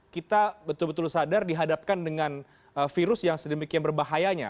kita betul betul sadar dihadapkan dengan virus yang sedemikian berbahayanya